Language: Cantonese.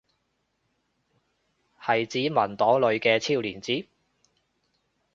係指文檔裏嘅超連接？